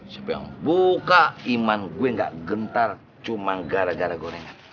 siapa yang buka iman gue gak gentar cuma gara gara gorengan